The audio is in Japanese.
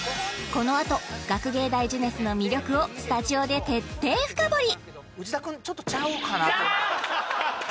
このあと学芸大青春の魅力をスタジオで徹底深掘り！